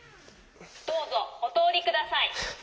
どうぞおとおりください。